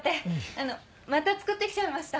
あのまた作って来ちゃいました。